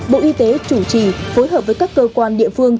bộ y tế chủ trì phối hợp với các cơ quan địa phương